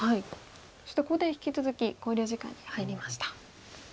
そしてここで引き続き考慮時間に入りました。